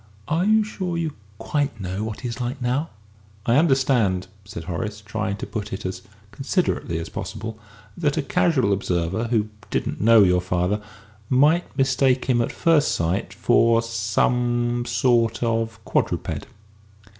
"Are you sure you quite know what he is like now?" "I understand," said Horace, trying to put it as considerately as possible, "that a casual observer, who didn't know your father, might mistake him, at first sight, for for some sort of quadruped."